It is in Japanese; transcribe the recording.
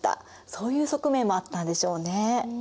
そういう側面もあったんでしょうね。